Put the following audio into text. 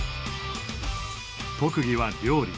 特技は料理。